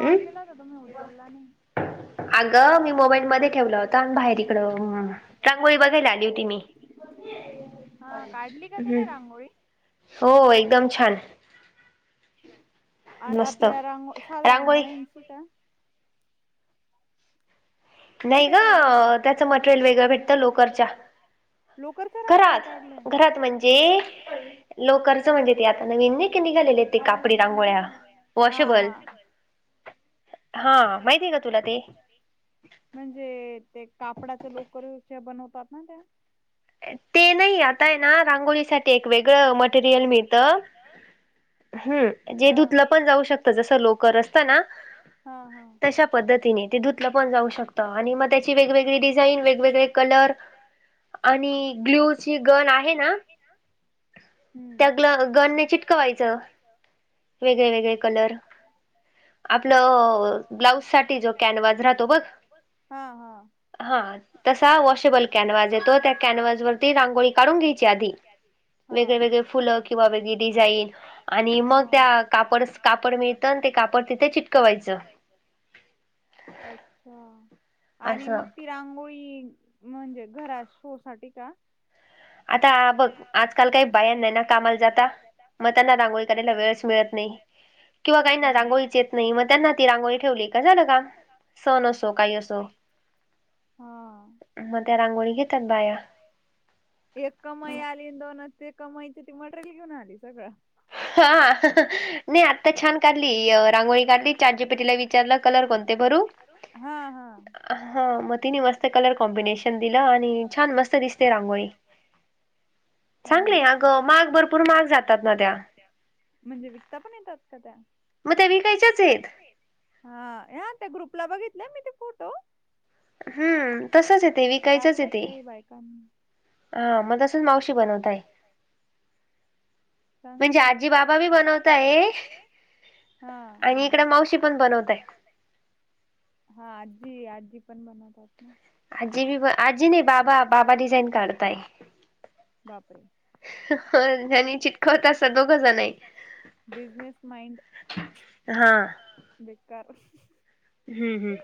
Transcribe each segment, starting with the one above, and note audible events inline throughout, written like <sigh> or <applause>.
हू <unintelligible> अगं मी मोबाईल मध्ये ठेवला होता आणि बाहेर इकडं, रांगोळी बघायला आली होती मी. हा काढली का तिने रांंगोळी? हो एकदम छान. आ आपल्या रांगो साध्या रांगोळ्यांची का? नाही गं अ त्याच मटेरियल वेगळं भेटतं लोकरच्या. घरात, घरात म्हणजे लोकरचं म्हणजे ते आता नवीन नाही का? ते नाही का निघाल्या ते आता कापडी रांगोळ्या हा, हा त्याच्यावर. हा, माहिती ना तुला ते? म्हणजे ते कापडाच लोकर च्या बनवतात ना त्या ते नाही आता ये ना रांगोळीसाठी एकवेगळं मटेरियल मिळत. हं जे धुतलं पण जाऊ शकतं, जसं लोकर असत ना हा, हा तशा पद्धतीने ते धुतलं पण जाऊ शकतं, आणि मग त्याची वेगवेगळी डिझाईन वेगवेगळे कलर आणि ग्ल्यू ची गन आहे ना? त्या ग्ल गनने चिटकवायचं वेगळे वेगळे कलर. आपलं ब्लाउज साठी जो कॅनवाज राहतो बघ, हा तसा वॉशेबल कॅनवाज येतो त्या कॅनवाज वरती रांगोळी काढून घ्यायची आधी वेगवेगळे फुल किंवा वेगवेगळी डिझाईन आणी मग त्या कापड कापड मिळतं आणि ते कापड तिथे चिटकवायचं. अच्छा आणि मग ती रांगोळी म्हणजे घरात शो साठी का? आता बघ आजकाल काही बायाना हायना कामाला जाता मग त्यांना रांगोळी करायला वेळच मिळत नाही. किंवा काही ना रांगोळीच येत नाही मग त्यांना ती रांगोळी ठेवली का झालं काम. सण असो काही असो मग त्या रांगोळी घेतात बाया. कमाई आली दोन ते कमाईची ती मटेरियल घेऊन आली सगळं. हा नाही आत्ता छान काढली रांगोळी काढली चाट जी पी टीला विचारलं कलर कोणते भरू, हा मग तिने मस्त कलर कॉम्बिनेशन दिलं आणि छान मस्त दिसते रांगोळी. हा ना चांगले अगं महाग भरपूर महाग जातात ना त्या. म्हणजे विकता पण येतात का त्या? म ते विकायच्याच आहेत. हा ह त्या ग्रुपला बघितलं मी ते फोटो. हम्म तसच हे ते विकायचच हे ते. हा मग तसच मावशी बनवताय. चांगलंय, म्हणजे आजी बाबा बी बनवताय. हा हा, आणि इकडे मावशी पण बनवतय. हा आजी आजी पण बनवतात ना. आजी बी आजी नाही बाबा बाबा डीझाईन काढताय. बापरे. ह त्या दिवशी खर्चाच ग धरला नाय, बिजनेस माइंड. हा. बेकार. हम्म हम्.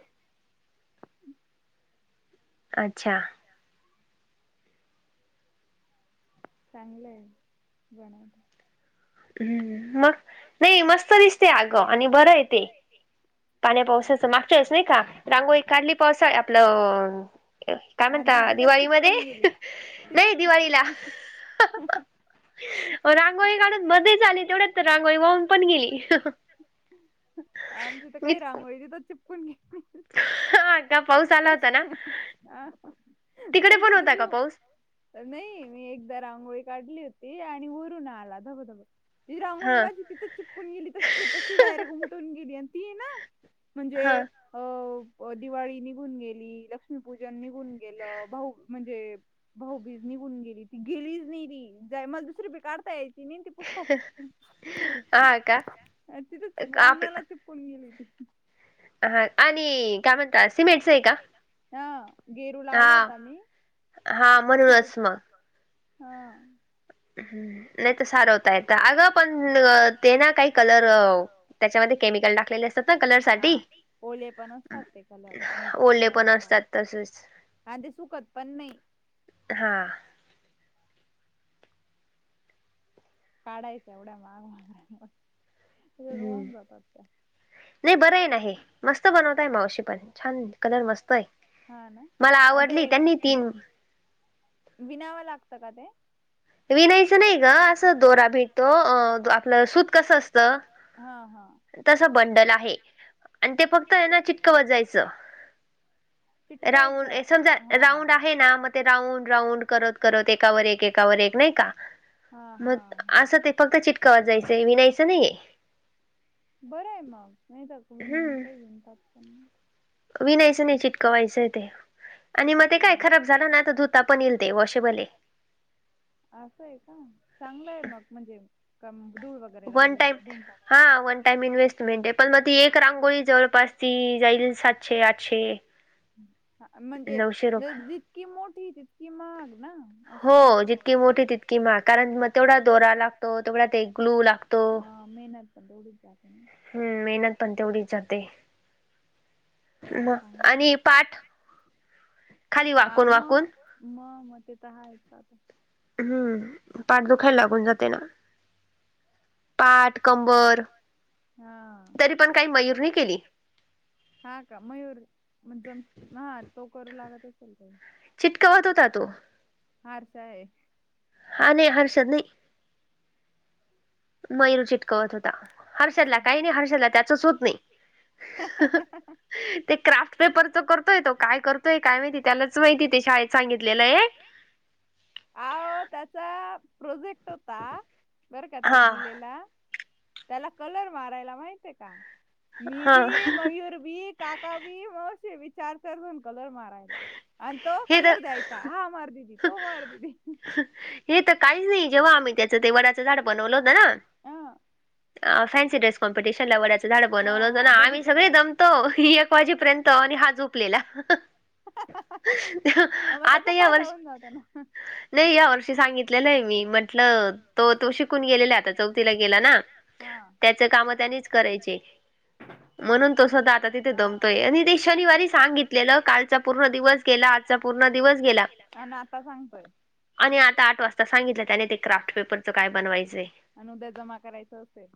अच्छा. चांगलं आहे बनवता. ह् मग नाही मस्त दिसते अगं आणि बरं आहे ते. पाण्या पावसाचं मागच्याच वेळेस नाही का रांगोळी काढली पावसाळा आपलं काय म्हणता दिवाळीमध्ये, नाही दिवाळीला. ह. रांगोळी काढून मध्येच आले तेवढ्या तर रांगोळी वाहून पण गेली ह ह. च कोनी ह हा का पाऊस आला होता ना तिकडे पण होता का पाऊस. तर नाही मी एकदा रांगोळी काढली होती आणि वरून आला धबधब, ती रांगोळी ति तीथे चीपकून गेली तशीच्या तशी डायरेक्ट उमटून गेली आणि ती हाय ना म्हणजे हो दिवाळी निघून गेली लक्ष्मीपूजन निघून गेलं भाऊ म्हणजे भाऊ बीज निघून गेली ती गेलीच नाही ती, जाय मला दुसरी बी काढतायेत नाय अन ती पुस्ता हां कां तिच वमेलां चिपणं गेली हां आणि कायं म्हणतांत सिमेंटचं आहे कां हां गेरूं लावंला होतां मी हां बरं वाटलं हं नाहीं तरं सांरा होतां येतं अगं पणं ते नां कांहीं कलरं त्यांच्यामध्ये केमिकल टाकलेले असतांत नां कलर सांठी ओले पणं असतांत तसेंच आणि ते सुकतं पणं नाहीं. हां. काढायचं एवढ्यां मंग मंग होऊंन जातांत. नाहीं बरं आहे नाहीं मस्तं बनवतंय मावशी पणं छान कलंर मस्तं आहे मलां आवडली त्यांनी तीनं विनावं लागतं कां ते विनायचं नाहीं गं असं दोरां भेटतो अं आपलं सूंत कसं असतं हां हां तसं बंडल आहे आणि ते फक्तं यांना चिटकवतं वाजायचं. राऊंड समजां राऊंड आहे नां मगं ते राऊंड राऊंड करतं करतं एकांवर एक एकांवर एक नाहीं कां मंग असं ते फक्तं चिटकांवत जायचं विनायचं नाहींये. बरं आहे मंग नाहींता विन कांहीं विनतां विनायचं नाहीं चिटकवायचंय आहे ते. आणि मंग ते कायं खरांब झालां नां तरं धुंता पणं येईलते वॉशेबल आहे. असं आहे कां चांगलं आहे मगं म्हणजे धूंळ वगैरें लागली तरं. हां वंन टाईम इन्व्हेस्टमेंट आहे पणं मंग ती एक रांगोळी जवळंपास ती जाईल सातशे आठशे हां म्हणजे जे जितकी मोठी तितकी महांग नां हो जितकी मोठी तितकी महांग कारणं मंग तेवढां दोरां लागतो तेवढां ते ग्लूं लागतो. मेहनतं पणं तेवढडीचं जास्तं नां. हम्मं मेहनतं पणं तेवढीचं जाते. हं आणि पाठं खाली वाकूंन वाकूंन. मंग मंग ते तरं हायंतचं. हम्मं पाठदुखांयला लागूंन जाते नां मंग. पांठ कंबर तरी पणं कांहीं मयूंर नाहीं केली. हां कां मयूंर जंम हां तो करूं लागतं असेल कां चिटकवतं होतां तो. हांर आं कायं हां नाहीं हर्षद नाहीं. मयुंर चिटकवतं होतां हर्षदलां कांहीं नाहीं हर्षदलां त्याचंच होतं नाहीं. ते क्राफ्टं पेपरचं करतोय तो कायं करतोय कायं माहितीय त्यांलाचं माहितीय ते शाळेत सांगितलेलं आहे. अओ त्यांचा प्रोजेक्ट होतां बरं कां त्यांला दिलेला त्यांला कलंर मारांयला माहितय कां मी व मयूंर बी. काका बीग असे विचारं करांरून कलंर मारांयला. अं आणि तो कलंर द्यायचा हां मारं दीदी तो मारं दीदी. हे तरं कांहींचं नाहीं जेंव्हां आम्हीं त्याचं ते वडाचं झाडं बनवलं होतं नां फॅन्सी ड़्रेस कोम्पिटिशन लां वड्यांच झाडं बनवलं होतं नां आम्हीं सगळे दमं ते हां एक वाजेपर्यंत आणि हां झोपलेला. आंता यां वर्ष नाही या वर्षी सांगितलेलं आहे मी म्हंटलं तो तो शिकून गेलेला आहे आता चौथीला गेला ना त्याच कामं त्यांनीच करायचे. म्हणून तो सध्याआता तिथे दमतोय आणि ते शनिवारी सांगितलेलं कालचा पूर्ण दिवस गे ला आजचा पूर्ण दिवस गेला आणि आता आठ वाजता सांगितलं त्याने ते क्रा क्राफ्ट पेपर काय बनवायचे आणि उद्या जमा करायचं असेल.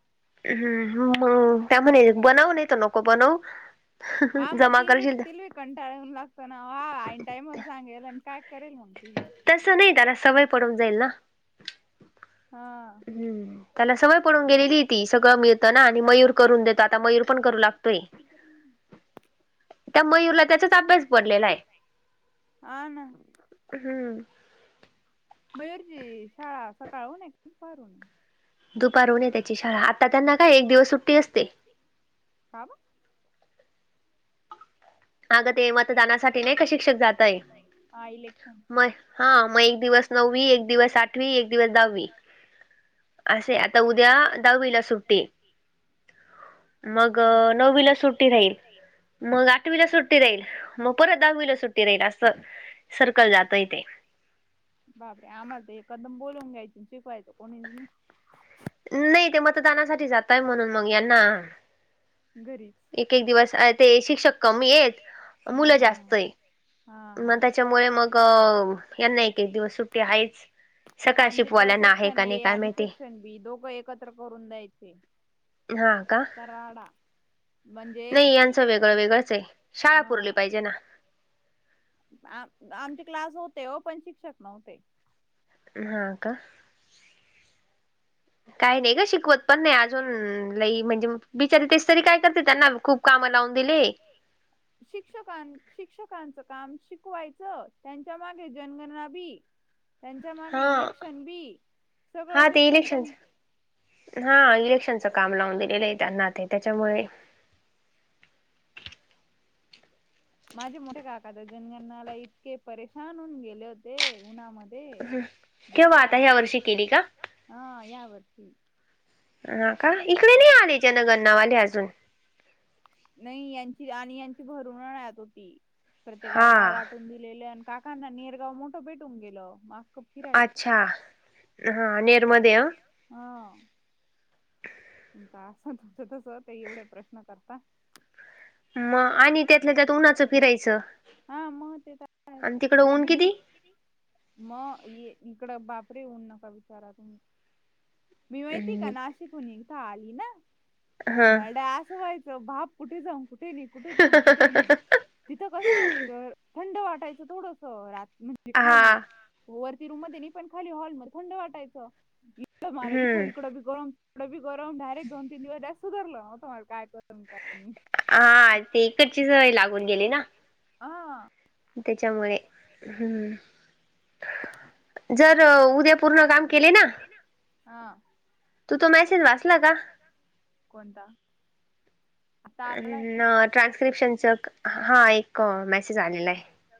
हम्म मग त्या म्हणे बनव नाही तर नको बनवू जमा करशील कंटाळून लागतो ना आ ऐन टाइमा वर सांगेल आणि काय करेल मंग ती बी. तसं नाही त्याला सवय पडून जाईल ना. हा त्याला सवय पळून गेलेली आहे ती सगळं मिळतं ना. करून देता आता मयूर पण करू लागतोय. <unintelligible> त्या मयूरला त्याचाच अभ्यास पडलेला आहे. हा ना. हम्म. मयूर ची शाळा सकाळून आहे का दुपारुन? दुपारुन आहे त्याची शाळा आता त्यांना काय एक दिवस सुट्टी असते. का ब अगं ते मतदानासाठी नाही का शिक्षक जातय म हा मग एक दिवस नववी एक दिवस आठवी एक दिवस दहावी <inaudible> असे आता उद्या दहावीला सुट्टी मग नववीला सुट्टी राहील मग आ ठवीला सुट्टी राहील म परत दहावीला सुट्टी राहील असं सर्कल जातय ते. बापारे आम्हाल तर एकदम बोलून घ्यायच शिकवायचं कोणी नी. नाही ते मतदानासाठी जातंय म्हणून मग यांना‌ घरी एक-एक दिवस आहे ते शिक्षक कमी येत मुलं जास्त आहे. म त्यांच्यामुळे मग यांना एक दिवस सुट्टी आहेच. आमचे तर सेक्शन ए आणि सेक्शन बी दोघं एकत्र करून द्यायचे. हा का. राडा म्हणजे <unintelligible> हा. आ आमचे क्लास होते हो पण शिक्षक नव्हते. हा का? काही नाही का शिकवत पण नाही अजून लई म्हणजे बिचारी तेच तरी काय करते त्यांना खूप कामं लावून दिले. <unintelligible> शिक्षकांना शिक्षकांचं काम शिकवायचं त्यांच्या मागे जनगणना बी त्यांच्या मागे इलेक्शन बी सगळंच एकदम हा इलेक्शनचं काम लावून दिलेलं आहे त्यांना ते त्यांच्यामुळे माझे मोठे काका ते जनगणनाला इतके परेशान होऊन गेले होते उन्हाम ध्ये बेकार आता ह्या वर्षी केली हा या वर्षी. हा का इकडे नाही आले जनगणना वाले अजून. नाही यांची आणि यांची भर उन्हाळ्यात होती. प्रत्येकाला गाव वाटून दिलेलं आणि काकांना नेरगाव मोठं भेटून गेलं म. अच्छा हा ने दिड मध्ये हं तुमचं असं तुमचं तस, ते एवढे प्रश्न करता. आणि त्यातल्या त्यात उन्हाचा फिरायचं, हा मग ते आहेच. तब्येत बिघडु ऊन किती मा इकडं बापरे ऊन नका का विचारा तुम्ही मी माहिती का नाशिकहून इथं आली. ना मल डायरेक्ट असं व्हायचं बाप कुठे जाऊ नाही, कुठे नाही, कुठे जाऊ नाही, कुठे नाही. तिथं कसं थंड वाटायचं. थोडस रात म्हणजे खाली वरती रूम मध्ये नाही. पण खाली हॉल मध्ये थंड वाटायचं. इथं मला इथं इकडं बी गरम इकडं बी गरम डायरेक्ट दोन तीन दिवस डायरेक्ट सुधरलं नव्हतं. मला काय हा ते इकडची सवय लागून गेली ना. ह त्यांच्यामुळे हम् जर उद्या पूर्ण काम केले ना हा तू तो मेसेज वाचला का? कोणता? ट्रान्स्क्रिप्शनच हा एक म ट्रान्सलेशनच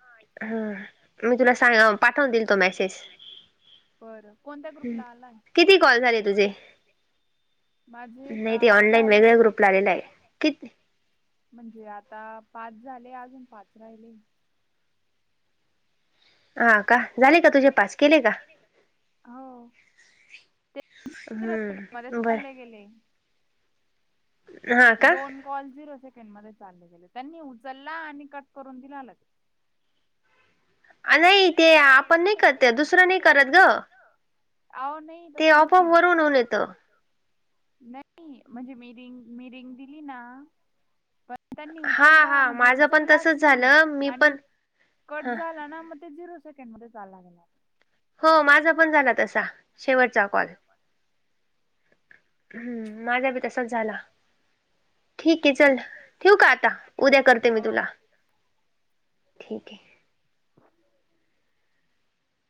हा एक ह मी तुला सांग पाठवून दिल तो मेसेज बरं कोणत्या ग्रुपला आलाय, किती काॅल झाले तुझे? माझे का गुप झाले मेसेज वेगळ्या ग्रुपला आलेला आहे. किती? म्हणजे आता पाच झाले अजून पाच राहिले. हा का झाले का तुझे पाच केले का? हो ते झिरो सेकंड मध्ये चालले गेले. दोन कॉल झिरो सेकंड मध्ये चालले गेले. त्यांनी उचलला आणि कट करून दिला लगेच. नाही ते आपण नाही करत दुसरं नाही करत गं अहो नाही तसं नाही. ' ते आपोआप वरून होऊन येतं' नाही. म्हणजे मिरिंग मिरिंग दिली ना त्यांनी उचलला म्हणजे उचललाच नाही आणि कट झाला ना मग ते झिरो सेकंड मध्ये चालला गेला. हो माझा पण झाला तसा शेवटचा कॉल हम्म माझा बी तसाच झाला. ठीक आहे चल ठेऊ का आता उद्या करते. मी तुला ठीक आहे.